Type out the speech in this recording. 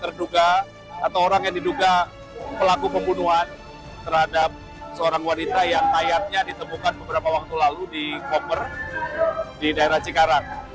terduga atau orang yang diduga pelaku pembunuhan terhadap seorang wanita yang kayatnya ditemukan beberapa waktu lalu di koper di daerah cikarang